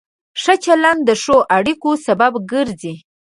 ښه چلند د ښو اړیکو سبب ګرځي.